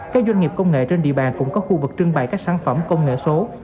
các doanh nghiệp công nghệ trên địa bàn cũng có khu vực trưng bày các sản phẩm công nghệ số